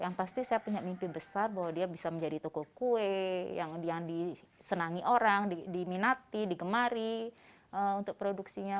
yang pasti saya punya mimpi besar bahwa dia bisa menjadi toko kue yang disenangi orang diminati digemari untuk produksinya